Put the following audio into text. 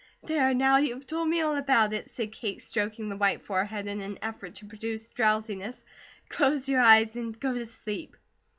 "There now, you have told me all about it," said Kate, stroking the white forehead in an effort to produce drowsiness, "close your eyes and go to sleep."